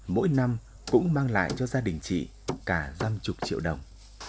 mỗi năm cũng mang lại cho gia đình chị cả năm mươi triệu đồng